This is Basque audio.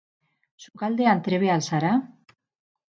Sukaldean trebea al zara?